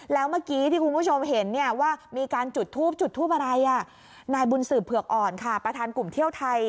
แล้วเมื่อกี้ที่คุณผู้ชมเห็นว่ามีการจุดทูบจุดทูปอะไรนายบุญสืบเผือกอ่อนค่ะประธานกลุ่มเที่ยวไทย